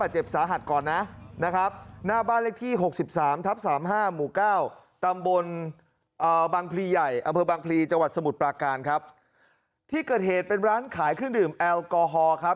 จังหวัดสมุทรปราการครับที่เกิดเหตุเป็นร้านขายเครื่องดื่มแอลกอฮอล์ครับ